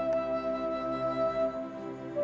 pesek air papi